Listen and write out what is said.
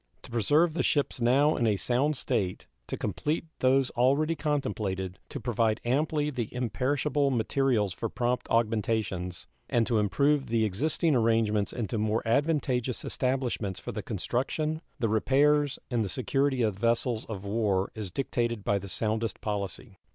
To preserve the ships now in a sound state, to complete those already contemplated, to provide amply the imperishable materials for prompt augmentations, and to improve the existing arrangements into more advantageous establishments for the construction, the repairs, and the security of vessels of war is dictated by the soundest policy.